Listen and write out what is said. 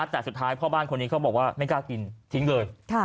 แต่สุดท้ายพ่อบ้านคนนี้เขาบอกว่าไม่กล้ากินทิ้งเลย